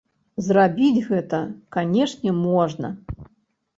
Зрабіць гэта, канешне, можна.